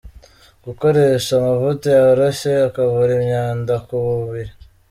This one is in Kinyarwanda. Gukoresha amavuta yoroshye, akura imyanda ku mubiri,.